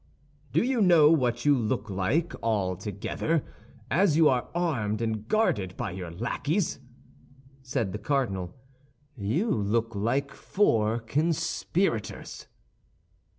"Do you know what you look like, all together, as you are armed and guarded by your lackeys?" said the cardinal. "You look like four conspirators."